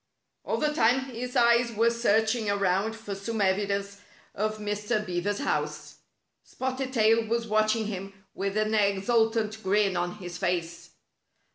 All the time his eyes were searching around for some evidence of Mr. Beaver's house. Spotted Tail was watching him with an exultant grin on his face.